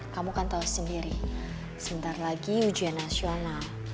kamu kan tahu sendiri sebentar lagi ujian nasional